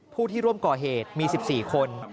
ผู้ที่ร่วมก่อเหตุมี๑๔คน